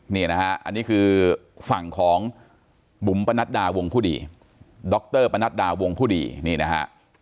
นี่นะฮะอันนี้คือฝั่งของบุ๋มปะนัดดาวงผู้ดีดรปนัดดาวงผู้ดีนี่นะฮะ